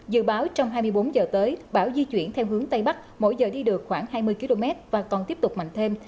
dự báo trong hai mươi bốn giờ tới bão di chuyển theo hướng tây bắc mỗi giờ đi được khoảng hai mươi km và còn tiếp tục mạnh thêm